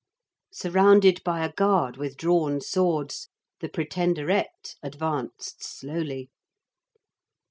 Surrounded by a guard with drawn swords the Pretenderette advanced slowly.